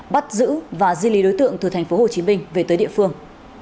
bắt giữ và di lý đối tượng từ tp hcm về tới địa phương